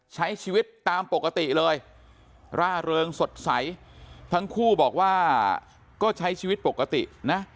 ใช้ชีวิตตามปกติเลยร่าเริงสดใสทั้งคู่บอกว่าก็ใช้ชีวิตปกตินะ